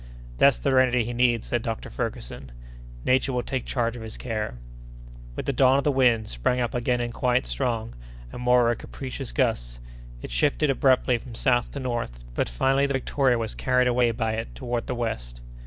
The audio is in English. "That's the remedy he needs," said Dr. Ferguson. "Nature will take charge of his care." With the dawn the wind sprang up again in quite strong, and moreover capricious gusts. It shifted abruptly from south to north, but finally the Victoria was carried away by it toward the west.